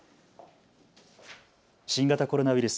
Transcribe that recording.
新型コロナウイルス。